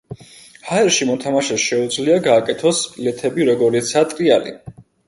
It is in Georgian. ჰაერში მოთამაშეს შეუძლია გააკეთოს ილეთები როგორიცა ტრიალი.